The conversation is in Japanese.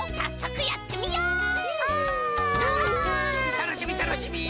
たのしみたのしみ！